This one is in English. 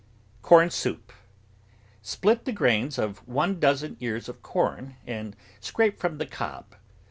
CORN SOUP Split the grains of one dozen ears of corn and scrape from the cob.